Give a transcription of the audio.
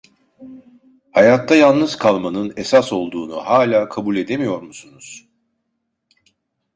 Hayatta yalnız kalmanın esas olduğunu hâlâ kabul edemiyor musunuz?